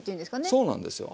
そうなんですよ。